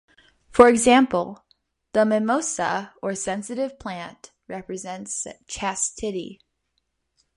For example, the mimosa, or sensitive plant, represents chastity.